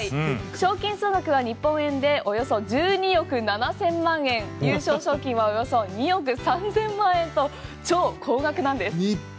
賞金総額は日本円でおよそ１２億７０００万円優勝賞金はおよそ２億３０００万円と超高額なんです。